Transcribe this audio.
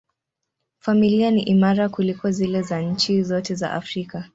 Familia ni imara kuliko zile za nchi zote za Afrika.